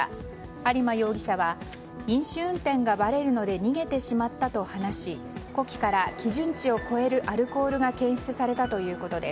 有間容疑者は飲酒運転がばれるので逃げてしまったと話し呼気から基準値を超えるアルコールが検出されたということです。